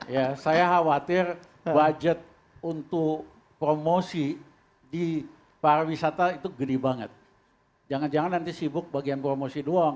ya saya khawatir budget untuk promosi di pariwisata itu gede banget jangan jangan nanti sibuk bagian promosi doang